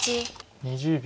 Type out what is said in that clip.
２０秒。